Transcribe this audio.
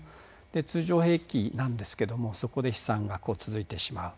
で通常兵器なんですけどもそこで悲惨が続いてしまう。